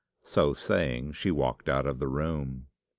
So saying she walked out of the room.